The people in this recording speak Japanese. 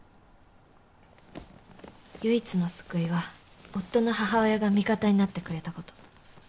唯一の救いは夫の母親が味方になってくれたこと。